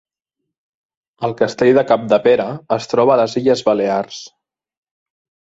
El Castell de Capdepera es troba a les Illes Balears.